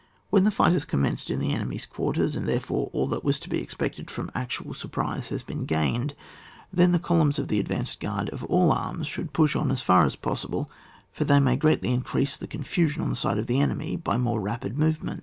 When the fight has commenced in the enemy's quarters, and therefore all that was to be expected from actual surprise has been gained, then the columns of the advanced guard of all arms should push on as far as possible, for they may greatly increase the confusion on the side of the enemy by more rapid move ment.